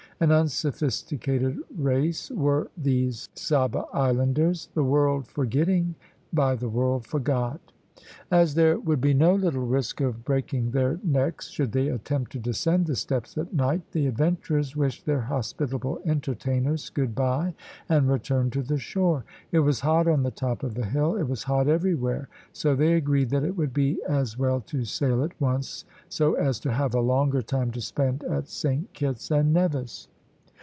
An unsophisticated race were these Saba islanders. "The world forgetting by the world forgot." As there would be no little risk of breaking their necks should they attempt to descend the steps at night, the adventurers wished their hospitable entertainers good bye and returned to the shore. It was hot on the top of the hill, it was hot everywhere; so they agreed that it would be as well to sail at once, so as to have a longer time to spend at Saint Kitts and Nevis.